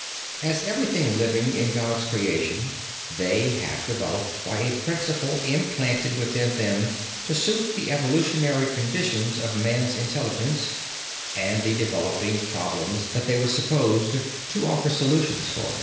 As everything living in God's creation, they have developed by a principle implanted within them to suit the evolutionary conditions of man's intelligence and the developing problems that they were supposed to offer solutions for.